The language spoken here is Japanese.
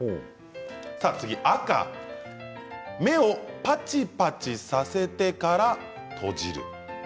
次は赤目をパチパチさせてから閉じる。